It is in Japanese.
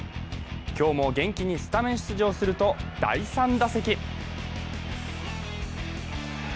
今日も元気にスタメン出場すると第３打席。